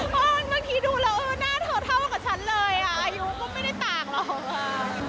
เมื่อกี้ดูแล้วหน้าเธอเท่ากับฉันเลยอ่ะอายุก็ไม่ได้ต่างหรอก